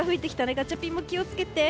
ガチャピンも気を付けて。